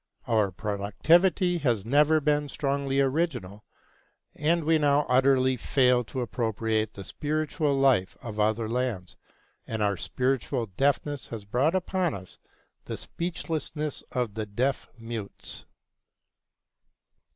Our productivity has never been strongly original, and we now utterly fail to appropriate the spiritual life of other lands, and our spiritual deafness has brought upon us the speechlessness of the deaf mutes.